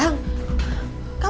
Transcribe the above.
kamu kok udah pulang